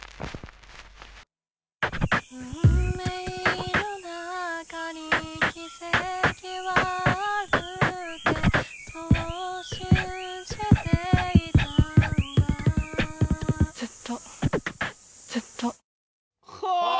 運命の中に奇跡はあるってそう信じていたんだずっとずっとはあ！